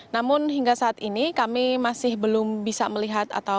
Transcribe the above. namun hingga saat ini kami masih belum bisa melihat